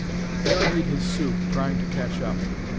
Aaron ate his soup, trying to catch up.